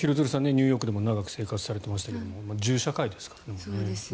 ニューヨークでも長く生活されていましたが銃社会ですからね。